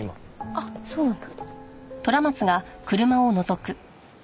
あっそうなんだ。